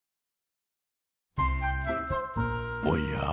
おや？